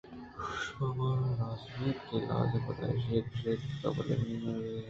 شما من ءَ رازان اِت؟ لازم پدا ہمیشی ءَ گوٛشت بلئے توار پہ مغروریں وڑے ءَ اتک